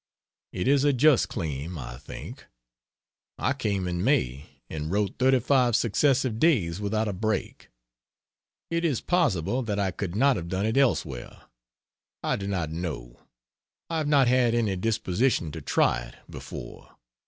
It is a just claim, I think. I came in May, and wrought 35 successive days without a break. It is possible that I could not have done it elsewhere. I do not know; I have not had any disposition to try it, before.